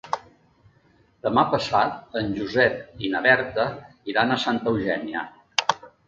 Demà passat en Josep i na Berta iran a Santa Eugènia.